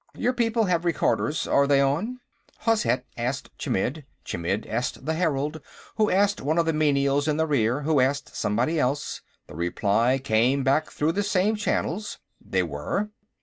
Your people have recorders; are they on?" Hozhet asked Chmidd; Chmidd asked the herald, who asked one of the menials in the rear, who asked somebody else. The reply came back through the same channels; they were.